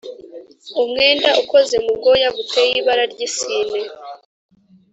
Umwenda ukoze mu bwoya buteye ibara ry’isine